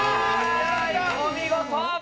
お見事。